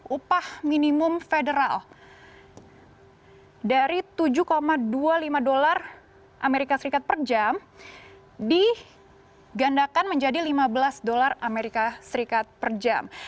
upah minimum federal dari tujuh dua puluh lima dolar as per jam digandakan menjadi lima belas dolar amerika serikat per jam